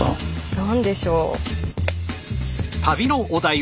何でしょう？